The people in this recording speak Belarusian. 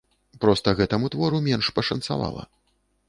Проста, гэтаму твору менш пашанцавала.